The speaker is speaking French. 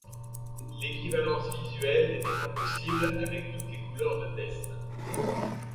L'équivalence visuelle n'était pas possible avec toutes les couleurs de tests.